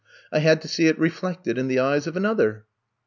I had to see it reflected in the eyes of another."